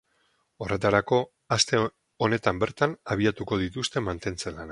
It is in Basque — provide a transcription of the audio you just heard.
Horretarako, aste honetan bertan abiatuko dituzte mantentze lanak.